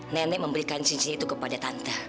nenek memberikan cincin itu kepada tante